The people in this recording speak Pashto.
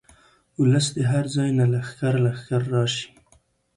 اولس دې هر ځاي نه لښکر لښکر راشي.